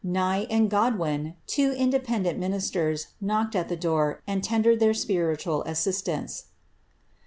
Nye and Godwin, two independent minis ^d at the door, and tendered their spiritual assistance.